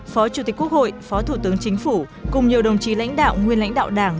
phó chủ tịch quốc hội phó thủ tướng chính phủ cùng nhiều đồng chí lãnh đạo nguyên lãnh đạo đảng